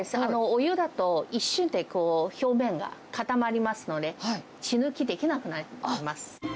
お湯だと、一瞬で表面が固まりますので、血抜きできなくなります。